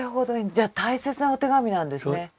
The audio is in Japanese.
じゃあ大切なお手紙なんですね。